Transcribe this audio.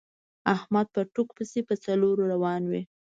احمد په ټوک پسې په څلور روان وي.